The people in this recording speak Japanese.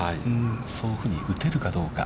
そういうふうに打てるかどうか。